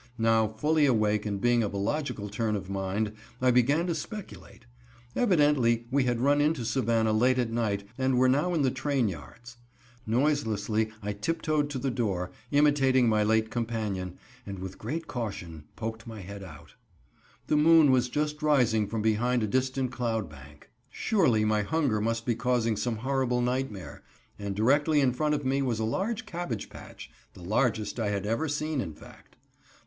Now fully awake and being of a logical turn of mind, I began to speculate. Evidently, we had run into Savannah late at night and were now in the train yards. Noiselessly I tiptoed to the door imitating my late companion and with great caution poked my head out. [Illustration: "Surely my hunger must be causing some horrible nightmare "] The moon was just rising from behind a distant cloud bank. Surely my hunger must be causing some horrible nightmare, and directly in front of me was a large cabbage patch the largest I had ever seen, in fact.